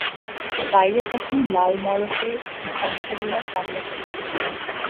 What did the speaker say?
বাইরে তখন লাল মড়কের ধ্বংসলীলা সমানে চলেছে।